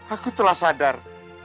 aku telah sadar